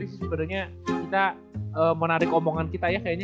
sebenarnya kita menarik omongan kita ya kayaknya